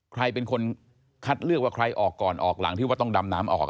ใครเป็นคนคัดเลือกว่าใครออกก่อนออกหลังที่ว่าต้องดำน้ำออก